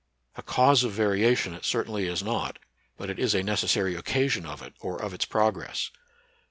A cause of variation it certainly is not, but it is a necessary occasion of it, or of its progress.